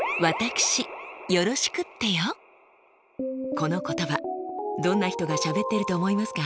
この言葉どんな人がしゃべっていると思いますか？